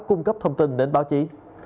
cung cấp thông tin đến báo chí